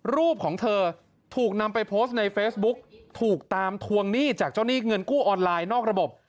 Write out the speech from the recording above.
รูปของเธอถูกนำไปโพสต์ในเฟซบุ๊กถูกตามทวงหนี้จากเจ้าหนี้เงินกู้ออนไลน์นอกระบบ